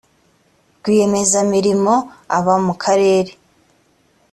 rwiyemezamirimo aba mu karere.